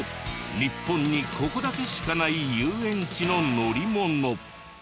日本にここだけしかない遊園地の乗り物。